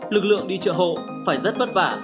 lực lượng đi trợ hộ phải rất vất vả